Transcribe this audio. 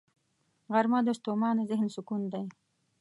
غرمه د ستومانه ذهن سکون دی